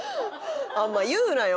あんま言うなよ